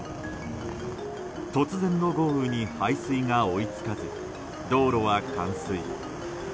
突然の豪雨に排水が追い付かず道路は冠水。